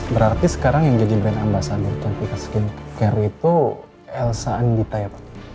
berarti sekarang yang jadi brand ambasador cantika skincare itu elsa andita ya pak